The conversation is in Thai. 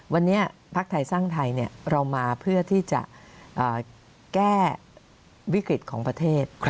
วันนี้ภักดิ์ไทยสร้างไทยเรามาเพื่อที่จะแก้วิกฤตของประเทศ